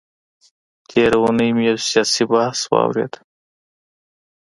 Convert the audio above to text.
تېره اونۍ مي يو سياسي بحث واورېد.